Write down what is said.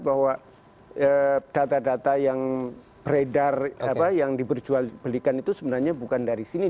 bahwa data data yang beredar yang diperjualbelikan itu sebenarnya bukan dari sini